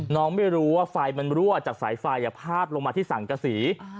น้องไม่รู้ว่าไฟมันรั่วจากสายไฟพาดลงมาที่สังกษี